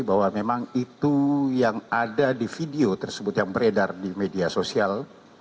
bahwa memang itu yang ada di video tersebut yang beredar di media sosial